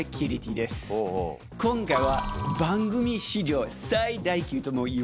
今回は。